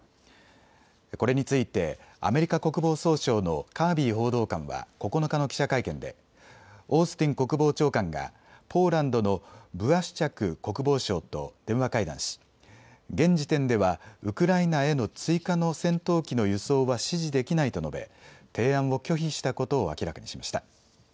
これについてアメリカ国防総省のカービー報道官は９日の記者会見でオースティン国防長官がポーランドのブワシュチャク国防相と電話会談し、現時点ではウクライナへの追加の戦闘機の輸送は支持できないと述べ、提案を拒否したことを明らかにしました。